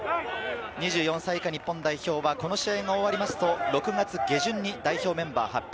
２４歳以下日本代表はこの試合が終わりますと、６月下旬に代表メンバー発表。